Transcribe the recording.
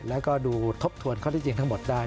แล้วก็ดูทบทวนข้อที่จริงทั้งหมดได้